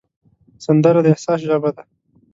سندره د احساس ژبه ده